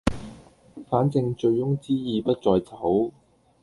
反正醉翁之意不在酒